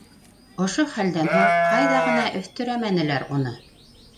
Ошо хәлдән һуң ҡайҙа ғына өҫтөрәмәнеләр уны.